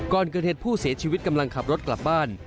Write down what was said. ก่อนเกิดเหตุผู้เสียชีวิตกำลังขับรถกลับบ้าน